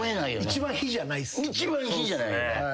一番火じゃない。